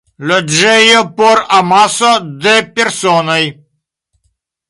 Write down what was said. Loĝejo por amaso de personoj.